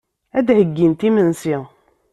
Ad d-heyyint imensi.